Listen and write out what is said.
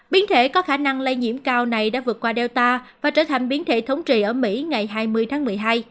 biến thể có khả năng lây nhiễm cao này đã vượt qua data và trở thành biến thể thống trị ở mỹ ngày hai mươi tháng một mươi hai